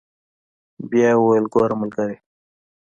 بيا يې وويل ګوره ملګريه.